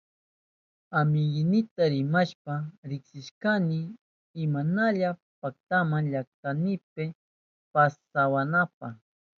Amiguynita rimashpa riksichishkani imashna paktama llaktaynipa pasyawananpa.